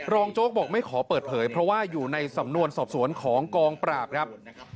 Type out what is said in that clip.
โจ๊กบอกไม่ขอเปิดเผยเพราะว่าอยู่ในสำนวนสอบสวนของกองปราบครับ